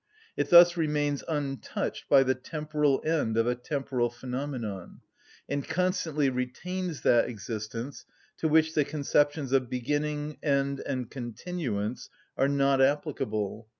It thus remains untouched by the temporal end of a temporal phenomenon, and constantly retains that existence to which the conceptions of beginning, end, and continuance are not applicable.